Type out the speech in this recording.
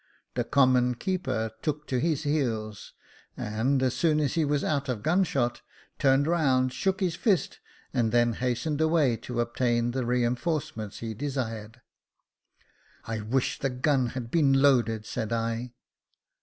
The common keeper took to his heels, and, as soon as he was out of gun shot, turned round, shook his fist, and then hastened away to obtain the reinforcement he desired. " I wish the gun had been loaded," said I.